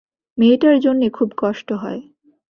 মেয়েটার জন্যে খুব কষ্ট হয়।